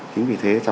chính vì thế